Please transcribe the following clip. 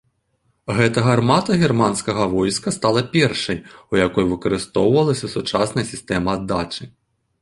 Гэта гармата германскага войска стала першай, у якой выкарыстоўвалася сучасная сістэма аддачы.